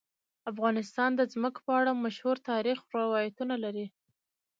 افغانستان د ځمکه په اړه مشهور تاریخی روایتونه لري.